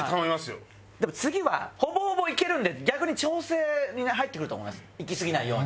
でも次はほぼほぼいけるんで逆に調整に入ってくると思いますいきすぎないように。